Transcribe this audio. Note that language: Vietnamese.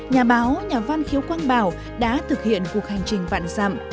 nhà báo nhà văn khiếu quang bảo đã thực hiện cuộc hành trình vạn dặm